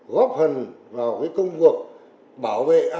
góp phần vào công cuộc bảo vệ an ninh mạng